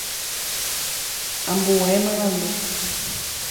Ambue marandu.